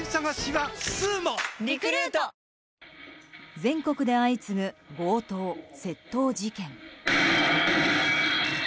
全国で相次ぐ強盗・窃盗事件。